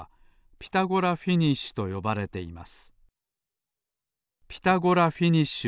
「ピタゴラフィニッシュと呼ばれています」